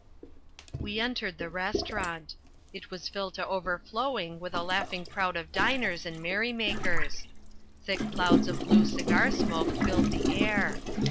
We entered the restaurant. It was filled to overflowing with a laughing crowd of diners and merry makers. Thick clouds of blue cigar smoke filled the air.